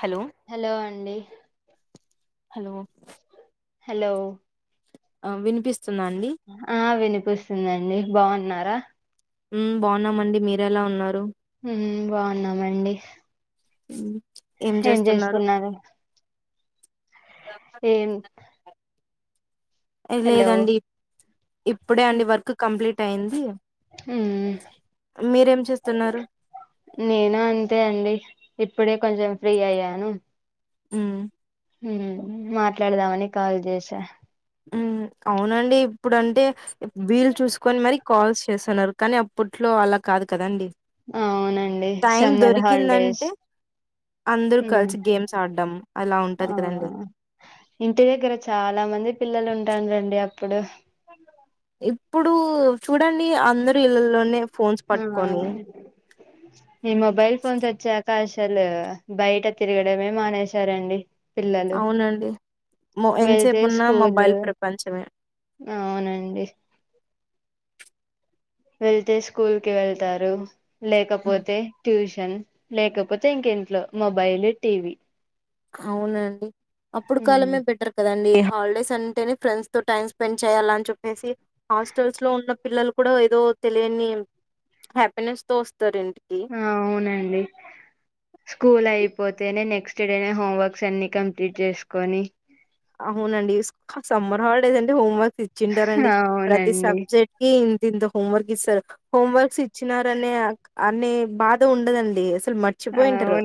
Hello hello అండి hello hello ఆ వినిపిస్ ఆ వినిపిస్తుందండి బాఉన్నారా మ్ బాగున్నామండి మీరెలా ఉన్నారు హ్మ్ బాఉన్నామండి [unintelligible] ఏం చేస్తున్నారు జేస్తున్నారు ఏం ఎ హలో లేదండి ఇప్పుడే అండి వర్క్ కంప్లీట్ అయింది మ్మ్ మీరేం చేస్తున్నారు నేను అంతే అండి ఇప్పుడే కొంచం ఫ్రీ అయ్యాను ఉం మ్ మాట్లాడదామని కాల్ చేశా మ్ అవునండి ఇప్పుడు అంటే వీలు చూసుకొని మరి కాల్స్ చేస్తన్నారు కానీ అప్పట్లో అలా కాదు కదండి అవునండి సమ్మర్ హాలిడేస్ అందరూ మ్మ్ కలిసి గేమ్స్ ఆడ్డం అలా ఆ ఉంటది కదండి ఇంటి దగ్గర చాలా మంది పిల్లలు ఉంటాన్రండి అప్పుడు ఇప్పుడు చూడండి అందరు ఇళ్లలోనే ఫోన్స్ మ్ ఆ పట్టుకొని ఈ మొబైల్ ఫోన్స్ ఒచ్చా కసలు బయట తిరగడమే మానేశారండి పిల్లలు అవునండి మొ వెళ్తే ఎంతసేపున్నా స్కూల్ మొబైల్ ప్రపంచమే అవునండి వెళ్తే స్కూల్ కి వెళ్తారు లేకపోతే ట్యూషన్ లేకపోతె ఇంక ఇంట్లో మొబైల్ టీవీ అవునండి అప్పుడు ఉమ్. కాలమే బెటర్ కద డి హాలిడేస్ అంటేనే ఫ్రెండ్స్ తో టైమ్ స్పెండ్ చేయాలని చెప్పేసి హాస్టల్స్ లో ఉన్న పిల్లలు కూడా ఏదో తెలియని హ్యాపీనెస్ తో ఒస్ అవునండి స్కూల్ అయిపోతేనే నెక్స్ టుడే నె హోమ్ వర్క్స్ అన్ని కంప్లీట్ చేసుకొని అవునండి సమ్మర్ హాలిడేస్ అంటే హోంవర్కే ఇచ్చింటారండి ప్రతి అవునండి సబ్జెక్ట్ కి దీంతో హోం వర్క్ ఇసరు హోం వర్క్స్ ఇచ్చినార అనే అనే బాధ ఉండదండి అసలు మర్చిపోయింటారు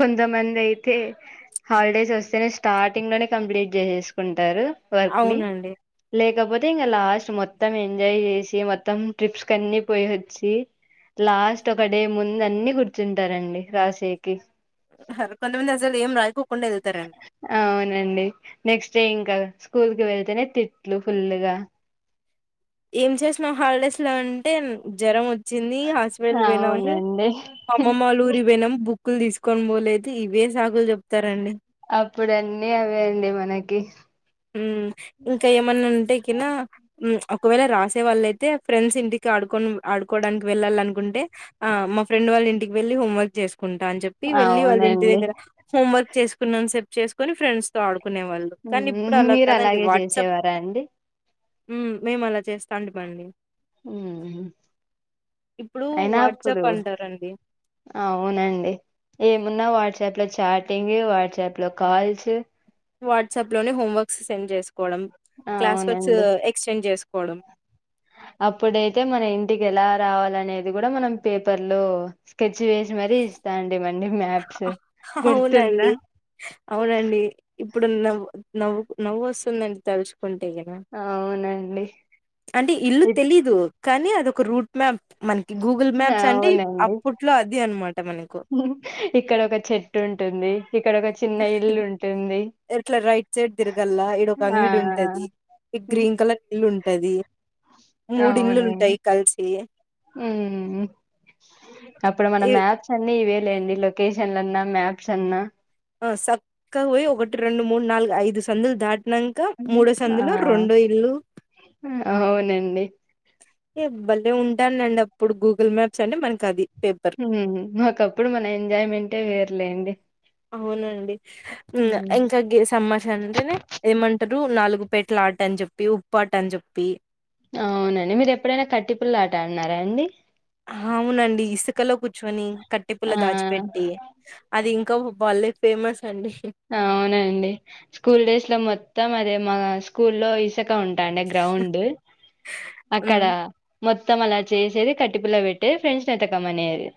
కొంత మంది అయితే హాలిడేస్ వస్తేనే స్టార్టింగ్ లోనే కంప్లీట్ చేసేసుకుంటారు వర్క్ ని అవునండి లేకపోతే తింగ లాస్ట్ మొత్తం ఎంజాయ్ చేసి మొత్తం ట్రిప్స్ కన్ని పోయి వచ్చి లాస్ట్ ఒక డే ముందు అన్ని కూర్చుంటారండి రాసేకి హర్ కొంతమంది అసలు ఏం రాయకో అవునండి నెక్స్ట్ డే ఇంక స్కూల్ కి వెళ్తేనే తిట్లు ఫుల్గా ఏం చేసినం హాలిడేస్ లో అంటే జ్వరం వ చ్చింది హాస్పిటల్ పోనాము అవునండి అమ్మమలూరి బోయినాము బుక్ బుక్కులు తీసుకోని పోలేదు ఇవే సాకులు చెప్తారండి అప్పుడు అన్నీ అవే అండి మనకి ఉమ్ ఇంకా ఏమన్నా ఉంటే కిన ఉమ్ అప్ ఒకవేళ రాసేవాళ్ళయితే ఫ్రెండ్స్ ఇంటికి ఆడుకో ఆడుకోవడానికి వెళ్ళాలి అనుకుంటే ఆ మా ఫ్రెండ్ వాళ్ ఫ్రెండ్ వాళ్ళ ఇంటికి వెళ్లి హోంవర్క్సు జెస్ చేసుకుంటా అని చెప్పి వెళ్ళలి వాళ్ళ ఇంటి అవునండి దగ్గర హోంవర్క్ చేసుకున్ననంత సేపు చేసుకుని ఫ్రెండ్స్ తో ఆడు కునే వాళ్ళు కానీ ఇప్పుడు హ్మ్. అలా మీరు కదండి అలాగే వాట్సాప్ చేసేవారా అండి మేము అలా చేస్తా అండి బండి ఉమ్ ఇప్పుడు వాట్సాప్ అంటారండి అవునండి ఏమున్నా వాట్సాప్ లో చాటింగ్ వాట్సాప్ లో కాల్స్ వాట్సాప్ లోనే హోంవర్క్స్ సెండ్ చేసుకోవడం క్లాస్ వర్క్స్ అవునండి ఎక్స్టెండ్ చేసుకోవడం అప్పుడైతే మన ఇంటికి ఎలా రావాల అనేది కూడా మనం పేపర్ లో స్కెచ్ వేసి మరి ఇస్తాం ఆహా అవునండి అవునండి ఇప్పుడు నవ్వు నవ్వు నవ్వు వస్తుందని తలుచుకుంటే అంతే కదా అవునండి అంటే ఇల్లు ఇప్ తెలీదు కానీ అదొక రూట్ మ్యాప్ మనకి గూగుల్ మ్యాప్స్ అంటే అవునండి అప్పట్లో అది అనమాట మనకు ఇక్కడ ఒక చెట్టు ఉంటుంది ఇక్కడ ఒక చిన్న ఇల్లు ఉంటుంది ఎట్లా రైట్ సైడ్ తిరగల్లా ఇడు ఒక ఆ అంగడి ఉంటది ఈ గ్రీన్ కలర్ ఇల్లు ఉంటది మూడు ఇండ్లు ఉంటాయి కలిసి హ్మ్మ్ హ అప్పుడ ఈ మ్యాప్స్ అని ఇవే లేండి లొకేషన్లన్నా మ్యాప్స్ అన్నా ఆ చక్కగా పోయి ఒకటి రెండు మూడు నాలుగు ఐదు సందులు దాటి నంక మూడో ఆ సందిలో రెండో ఇల్లు అవునండి హే భలే ఉంటానండి అప్పుడు గూగుల్ మ్యాప్స్ అంటే మనకు అది పేపర్ హ్మ్మ్ ఒకప్పుడు మన ఎంజాయిమెంట్ యే వేర్లేండి అవునండి మ్మ్ ఇంకా గ సమాష అంటేనే ఏమంట అంటారు నాలుగు పేట్ల ఆట అని చెప్పి ఉప్పుట అని చెప్పి అవునండి మీరు ఎప్పుడైనా కట్టిపుల్లట ఆడి నార అండి అవునండి ఇసుకలో కూర్చుని కట్టి ఆ! పుల్ల దాచిపెట్టి అది ఇంకా భలే ఫేమస్ అండి అవునండి స్కూల్ డేస్ లో మొత్తం అదే మా స్కూల్ లో ఐసు పెద్దగా ఉంటాండ గ్రౌండ్ అక్కడ ఉమ్ మొత్ మత్తం అలా చేసేది కట్టిపుల్ల పెట్టేది ఫ్రెండ్స్ ని ఎతకమనేది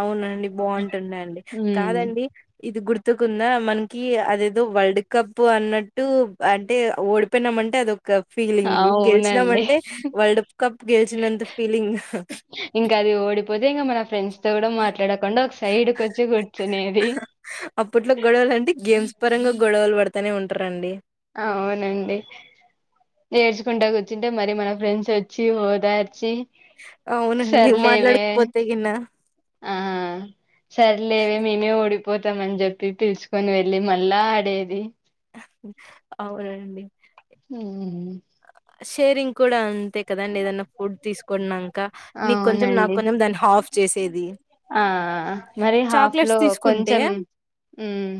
అవునండి బాగుంటుందండి హ్మ్. కాదండి ఇది గుర్ ఒత్తుకుందా మనకి అదేదో వరల్డ్ కప్ అన్నట్టు అంటే ఓడిపోయినామంటే అదొ ఒక ఫీలింగ్ గెలిచినా అవునండి. మంటే వరల్డ్ కప్ గెలిచినంత ఫీలింగ్ ఇంకా అది ఓడిపోతే ఇంకా మన ఫ్రెండ్స్ తొ గుడ మాట్లాడకుండా ఒక సైడ్క వచ్చి కూర్చునేది [unintelligible] ఈస్ పరంగా గొడవలు పడుతానే ఉంటరండి అవునండి ఏర్చుకుంట కూర్చుంటే మరి మన ఫ్రెండ్స్ వచ్చి ఓదార్చి అవునండి సర్లేవే మాట్లాడకపోతే గినా ఆ సర్లేవే మేమే ఓడిపోతామని జెప్పి పిలుచుకొని వెళ్ళి మళ్ళా ఆడేది అవునండి [unintelligible] షేరింగ్ కూడా అన్ అంతే కదండి ఏదనా ఫుడ్ తీసుకున్నక నీకు కొంచెం నాకు అవునండి కొంచెం దాన్ని ఆఫ్ చేసేది ఆ మరి హాఫ్ చాక్లెట్స్ లో తీసుకుంటే కొంచెం హ్మ్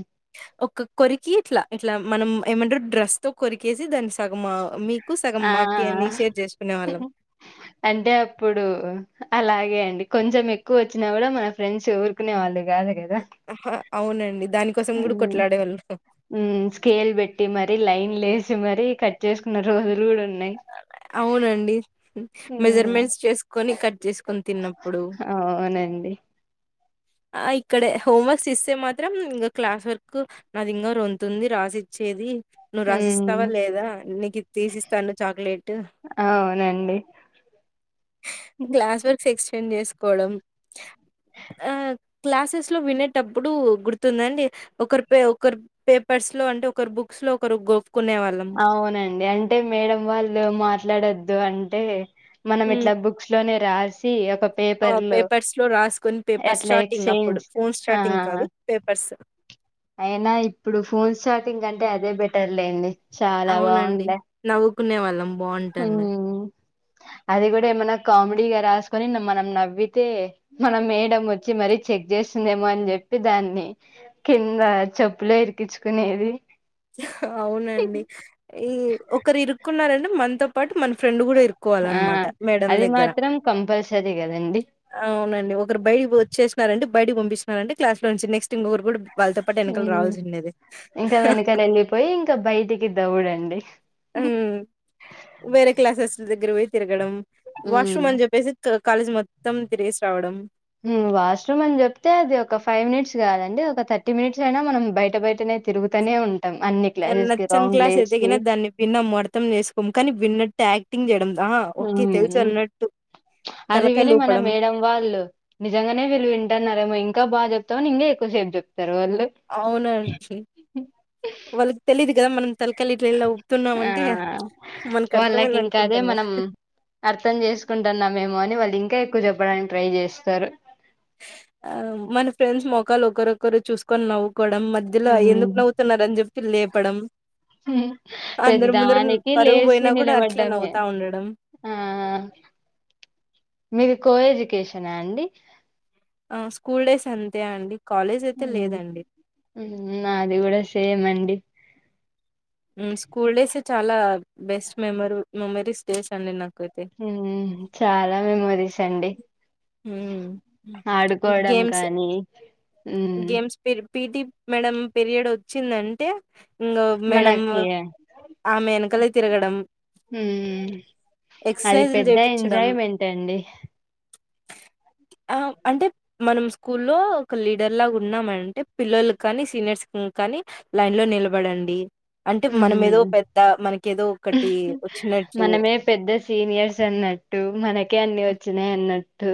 ఒక కొరికి ఇట్లా ఇట్లా మనం ఏమంటరు డ్రెస్ తో కొరికేసి దాని సగమా ఆ అంటే అప్పుడు అలా తే అండి కొంచం ఎక్కువ వచ్చినా గుడ మన ఫ్రెండ్స్ ఊరుకునే వాళ్ళు ఆహా అవున హ్మ్ హ్మ్ స్కేల్ పెట్టి మరి లైన్ లేసి చి మరీ కట్ చేసుకున్న రోజులు గుడ ఉ అవునండి ఉమ్, మెజర్మెంట్స్ చేసుకొని కట్ పున్ తిన్నప్పుడు అవునండి ఆ ఇక్కడే హోం వర్క్స్ ఇస్తే మాత్రం ఇం క్లాస్ వర్క్ నాదింగ రొంతుంది రాసి చ్చేది నువ్వు రసిస్తావా ఉమ్ లేదా నీకు ఇది తీసి ఇస్తాను లేటు అవునండి క్లాస్ వర్క్స్ ఎ ఎక్చేంజ్ జెసుకోవడం ఆ క్లాసెస్ లో వినేటప్పుడు గుర్తుందండి ఒకరి పే ఒకరు పేపర్స్ లో అంటే ఒక బుక్స్ లో ఒక రు అవునండి అంటే మేడం వాళ్ళు మాట్లాడొద్దు అంటే మనం హ్మ్. ఇట్ల బుక్స్ లోనే రాసి పేపర్స్ లో రాసుకుని పేపర్ అట్లా స్టార్టింగ్ అప్పుడు ఎక్స్చేంజ్ ఫోన్ ఆ స్టార్టింగ్ కాదు పేపర్స్ అయినా ఇప్పుడు ఫోన్స్ చాటింగ్ కంటే అదే బెటర్ లేండి చాలా బాగుండే కునేవాళ్ళం హ్మ్మ్ అది గుడ ఏమన్నా కామెడీగా రాసుకొని మనం నవ్వితే మనం మేడమ్ వచ్చి మరీ చెక్ జె [unintelligible] దేమో అని జెప్పి దాన్ని కింద చెప్పులో ఇరికిచుకునేది హ అవునండి ఈ ఒకరు ఇరుక్కున్నారంటే మనతో పాటు మన ఫ్రెండ్ గుడా ఇరు ఆ కోవాలన్మాట మేడం అది దగ్గర మాత్రం కంపల్సరీ కదండి అవునండి ఒకరు బయడికి వచ్చేసినారండి బయటకి పంపిస్తున్నారంటే క్లాస్ లో ఉంచి నెక్స్ట్ ఇంకొకరు కూడా వాళ్ళతో పాటు వెనకలు హ్మ్ రావాల్సిండేది [unintelligible] పోయి ఇంక బయటికి దౌడండి హ్మ్ వేరే క్లాసెస్ దగ్గర పోయి తిరగడం హ్మ్ వాష్రూమ్ అని చెప్పేసి క కాలేజ్ మొత్తం తిరిగిేసి రావడం హ్మ్ వాష్రూమ్ అని జెప్తే అది ఒక ఫైవ్ మినిట్స్ గాదండి ఒక థర్టీ మినిట్స్ అయినా మనం బయట బయట నే తిరుగుతనే ఉ నచ్చని క్లాస్ అయితే గిన దాన్ని వినం అర్థం చేసుకోము కానీ విన్నట్టు యాక్టింగ్ జెయడం ఆ ఓకే హ్మ్ తెల్చాన్నటు అది విని మన మేడం వాళ్ళు, నిజంగానే వీళ్ళు వింటన్నారేమో ఇంకా బాజేప్ తావున్ ఇగా ఎక్కవ సేబ్ జేప్ అవునండి. వాళ్ళకి తెలిదు కదా మనం తలకలు ఇట్లు ఇలా ఆ ఊప్పుతున్నామంటే మనకు వాళ్ళకి అర్ధమైంది ఇంకా అదే అనుకుంటున్నారు. మనం అర్థం చేసుకుంటున్నామేమో అని, వాళ్ళు ఇంకా ఎక్కువ చెప్పడానికి ట్రై చేస్తారు. ఆ మన ఫ్రెండ్స్ మొకాలు ఒకరొకరు చూసుకోన్ నవ్ కోడం మధ్యలో ఎందుకు హ్మ్ నవ్వుతున్నారని జేప్పి లేపడం. అందరి ముందరున్ ప్రతిదానికి పరువు లేసి పోయినా కూడా అట్లే నిలబడ్డమే నవ్వుతా ఉండడం. ఆ ఆ మీది కో ఎడ్యుకేషనా అండి. ఆ స్కూల్ డేస్ అంతే అండి. కాలేజ్ అయితే లేదండి హు నాది కూడా సేమ్ అండి. హు స్కూల్ డేస్ చాలా బెస్ట్ మెమరు మెమరీస్ డేస్ అండి. నాక్ హ్మ్మ్ చాలా మెమోరీస్ అండి. హ్మ్. ఆడుకోవడ గేమ్స్ కానీ ఉమ్, గేమ్స్ పీర్ పిటి మేడం పీరియడ్ వచ్చిందంటే ఇంగో మేడమో మనకి ఆమె ఏనుకలే తిరగడమ్ ఉమ్, అది పెద్ద ఎంజాయ్మెంట్ అండి. ఆహ్ అంటే మనం స్కూల్లో ఒక లీడర్ లాగా ఉన్నామంటే పిల్లలు కానీ సీనియర్స్ హు కానీ లైన్ లో నిలబడండి. అంటే మనం ఉమ్. ఏదో పెద్ద మనకేదో ఒకటి వచ్చినటు మనమే పెద్ద సీనియర్స్ అన్నట్టు, మనకే అన్ని వచ్చినాయ్ అన్నట్టు.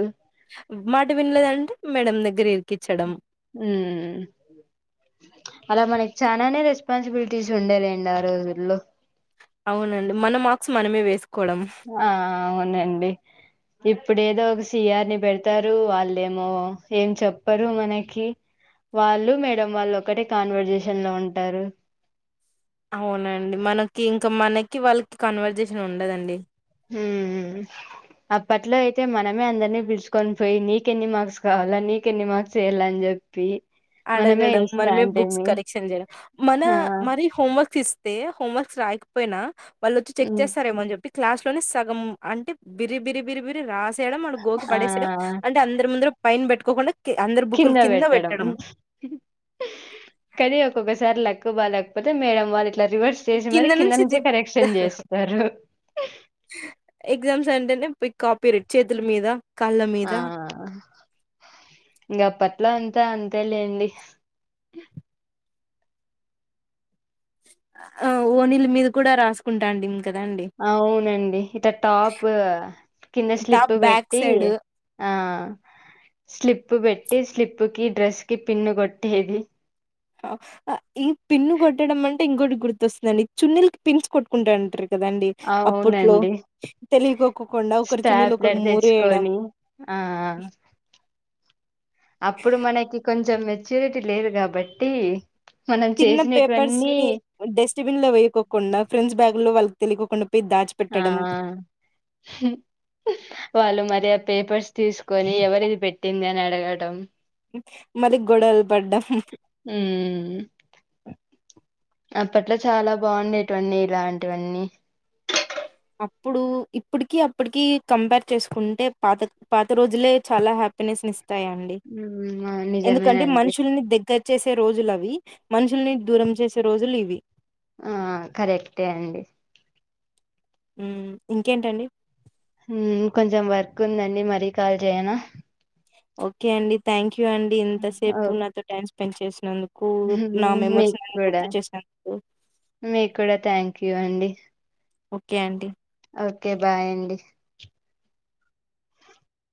మాట వినలేదంటే మేడం దగ్గర ఇరికిచ్చడం. హుహు్ అలా మనకి చానానే రెస్పాన్సిబిలిటీస్ ఉండేదండి. ఆ రోజుల్లో అవునండి. మన మార్క్స్ మనమే వేసుకోడం. ఆ అవునండి. ఇప్పుడేదో ఒక సియర్ని పెడతారు, వాళ్ళేమో ఏం చెప్పరు మనకి వాళ్ళు, మేడం వాళ్ళు, ఒకటే కాన్వర్జేషన్ లో ఉంటారు. అవునండి. మనకి ఇంకా మనకి వాళ్ళకి కన్వర్జేషన్ ఉండదండి. హుహుహ్ అప్పట్లో అయితే మనమే అందరినీ పిలుచుకొని పోయి, నీకెన్ని మార్క్స్ కావాల నీకెన్ని మార్క్స్ ఏయాలన్ జేప్ ఇపియి అడగడం మనమే బుక్స్ కరెక్షన్ జేయడం. మన ఆ మరి హోంవర్క్ ఇస్తే, హోంవర్క్ క్స్ రాకపోయి వాళ్ళు వచ్చి చెక్ ఉమ్, చేస్తారేమని చెప్పి క్లాస్ లోనే సగం అంటే బిరి బిరి బిరి బిరి రాస్ తెడం ఆడు గోకు ఆ పడేసడం, అంటే అందరి ముందరు పైన పెట్టుకోకుండా, కీ అందరు బుక్కులు కింద పెట్టడం. కానీ ఒక్కొక్కసారి లక్కు బాలేకపోతే మేడం వాళ్ళిట్ ఇట్లా రివర్స్ జేసి మరి కింద నుంచి నుంచే కరెక్షన్ తిప్పుతారు జేస్తరు. ఎగ్జామ్స్ అంటేనే పీకాపీ రెట్ చేతుల మీద కాళ్ళ మీద ఆ ఆహ్ గప్పత్ అట్లా అంతా అంతే లేండి ఆ ఓనిల్ మీద కూడా రాసుకుంటాండ్ ఇంక్ అవునండి. ఇట టాప్ కింద టాప్ స్లిపు బ్యాక్ పెట్టి సైడ్ ఆ స్లిప్ ప్పు బెట్టి స్లిప్ కి, డ్రెస్ కి పిన్ను కొట్టేది. ఆ ఆ ఈ పిన్ను కొట్టడం అంటే ఇంకోటి గుర్తొస్తుదండి. చున్నీలకి పిన్స్ కొట్టుకుంటాట్నరు. కదండి అప్పట్లో అవునండి తెలియకోక్కకుండా ఒకరిచున్నీలు ఒకరు స్టాప్లర్ మూరేయడం. తెచ్చుకొని ఆ అప్పుడు మనకి కొంచెం మెచ్యూరిటీ లేదు గాబట్టి తిన్న పేపర్స్ ని డస్ట్ బిన్ లో వేయకోకుండా ఫ్రెండ్స్ బ్యాగు్ లో వాళ్ళకి తెలియకోకుండా పోయి హ దాచిపెట్టడం వాళ్ళు మరి పేపర్స్ తీసుకొని ఎవరి ఇది పెట్టింది అని అడగడం మరి గొడవలు పడడం ఉమ్ అప్పట్లో చాలా బాగుండేటువన్నీ ఇలాంటివన్నీ అప్పుడు ఇప్పటికి అప్పటికి కంపేర్ చేసుకుంటే పాత పాత రోజులే చాలా హ్యాపీనెస్ ని ఇస్త యండి మ్మ్ ఆ ఎందుకంటే నిజమేనండి మనుషులని దగ్గర చేసే రోజులు అవి మనుషుల్ని దూరం చేసే రోజులు ఇవి ఆ కరెక్టే అండి ఉమ్ ఇంకేంటండి ఉ మ్ కొంచెం వర్క్ ఉందండి మరీ కాల్ చేయనా ఓకే అండి థ్యాంక్ యూ థాంక్యూ అండి ఓ ఇంతసేపు నాతో టైం స్పెండ్ చేసినందుకు నా మెమరీస్ అని గుర్తు చేసినందుకు మీ కూడా థ్యాంక్యూ అండి ఓకే అండి ఓకే బాయ్ అండి